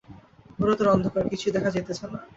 ঘােরতর অন্ধকার, কিছুই দেখা যাইতেছে না।